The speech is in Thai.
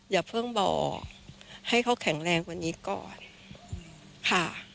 อย่าเพิ่งบอกให้เขาแข็งแรงกว่านี้ก่อนค่ะ